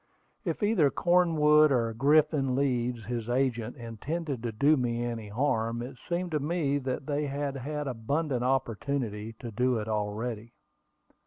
If either Cornwood or Griffin Leeds, his agent, intended to do me any harm, it seemed to me they had had abundant opportunity to do it already.